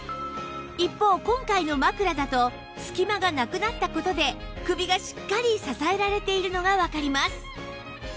一方今回の枕だと隙間がなくなった事で首がしっかり支えられているのがわかります